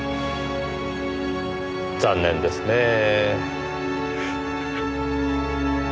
残念ですねぇ。